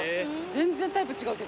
全然タイプ違うけどね。